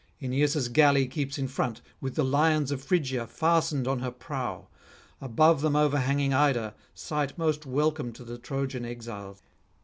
Aeneas' galley keeps in front, with the lions of Phrygia fastened on her prow, above them overhanging Ida, sight most welcome to the Trojan exiles.